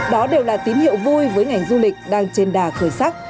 đó đều là tín hiệu vui với ngành du lịch đang trên đà khởi sắc